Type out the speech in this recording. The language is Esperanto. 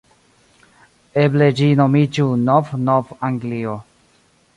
Eble ĝi nomiĝu Nov-Nov-Anglio.